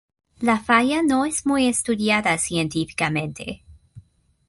La falla no es muy estudiada científicamente.